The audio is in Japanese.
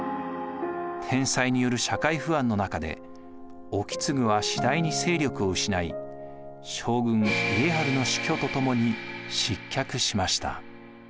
天災による社会不安の中で意次は次第に勢力を失い将軍・家治の死去とともに失脚しました。